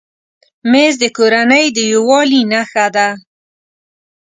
مېز د کورنۍ د یووالي نښه ده.